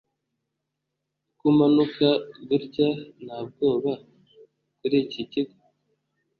ko umanuka gutya nta bwoba kuri iki kigo